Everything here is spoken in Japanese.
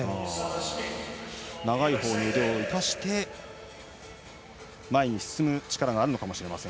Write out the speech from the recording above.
長いほうの腕を生かして前に進む力があるかもしれません。